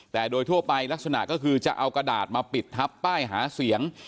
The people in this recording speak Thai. แต่โดยทั่วไปลักษณะก็คือจะเอากระดาษมาปิดทับป้ายหาเสียง